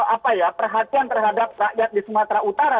apa ya perhatian terhadap rakyat di sumatera utara